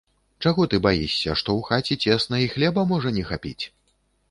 Чаго ты баішся, што ў хаце цесна і хлеба можа не хапіць?